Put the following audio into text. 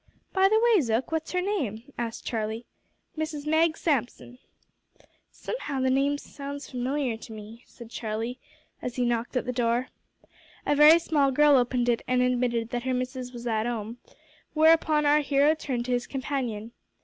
"By the way, Zook, what's her name?" asked Charlie. "Mrs Mag Samson." "Somehow the name sounds familiar to me," said Charlie, as he knocked at the door. A very small girl opened it and admitted that her missis was at 'ome; whereupon our hero turned to his companion.